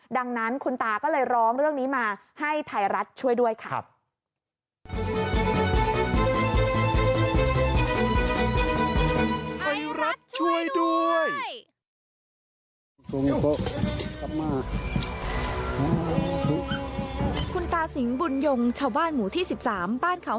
ดังนั้นคุณตาก็เลยร้องเรื่องนี้มาให้ไทยรัฐช่วยด้วยค่ะ